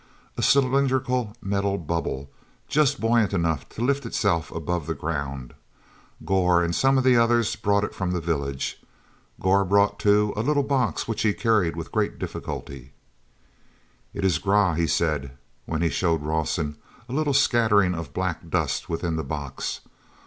A cylindrical metal bubble, just buoyant enough to lift itself above the ground—Gor and some of the others brought it from the village. Gor brought, too, a little box which he carried with great difficulty. t is Grah," he said, when he showed Rawson a little scattering of black dust within the box.